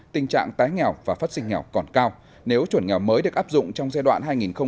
tình trạng tái nghèo và phát sinh nghèo còn cao nếu chuẩn nghèo mới được áp dụng trong giai đoạn